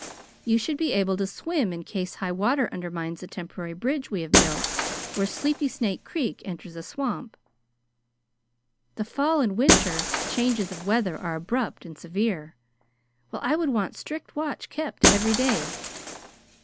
"You should be able to swim in case high water undermines the temporary bridge we have built where Sleepy Snake Creek enters the swamp. The fall and winter changes of weather are abrupt and severe, while I would want strict watch kept every day.